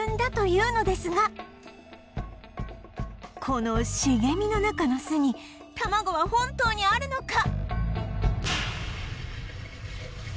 この茂みの中の巣に卵は本当にあるのか？